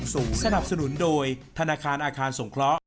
สนับสนุนโดยธนาคารอาคารสงเคราะห